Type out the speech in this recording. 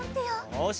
よし。